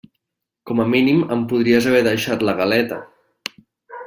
Com a mínim em podries haver deixat la galeta.